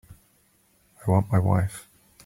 I want my wife.